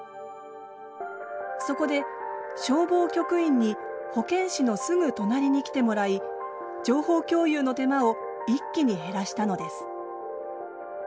そこで消防局員に保健師のすぐ隣に来てもらい情報共有の手間を一気に減らしたのです。